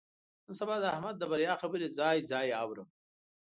نن سبا د احمد د بریا خبرې ځای ځای اورم.